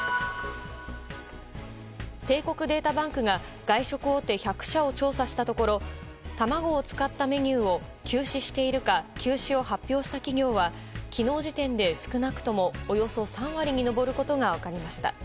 帝国データバンクが外食大手１００社を調査したところ卵を使ったメニューを休止しているか休止を発表した企業は昨日時点で少なくともおよそ３割に上ることが分かりました。